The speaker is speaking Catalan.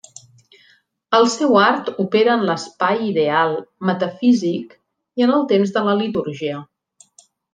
El seu art opera en l'espai ideal, metafísic i en el temps de litúrgia.